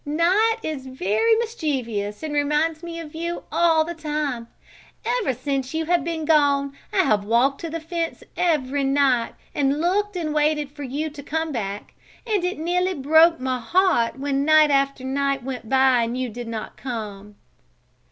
"Night is very mischievous and reminds me of you all the time. Ever since you have been gone, I have walked to the fence every night and looked and waited for you to come back and it nearly broke my heart when night after night went by and you did not come."